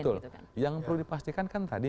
betul yang perlu dipastikan kan tadi